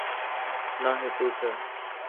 نہ ہی پوچھا